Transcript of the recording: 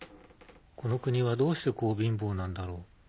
この国はどうしてこう貧乏なんだろう。